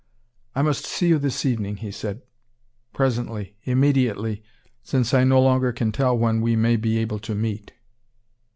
"I must see you this evening," he said, "presently, immediately, since I no longer can tell when we may be able to meet.